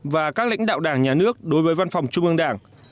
và các lãnh đạo đảng nhà nước đối với văn phòng trung ương đảng